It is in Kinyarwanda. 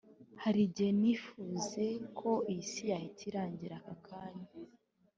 Hari igihe nifuze ko iyi si yahita irangira aka kanya